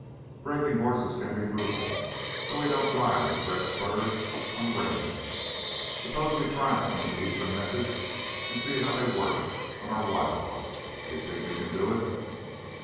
"Breaking horses can be brutal, though we don't ride with red spurs on the Range. Suppose we try some of the eastern methods and see how they work on our wild ones. Do you think you can do it?"